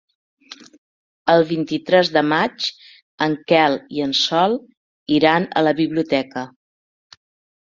El vint-i-tres de maig en Quel i en Sol iran a la biblioteca.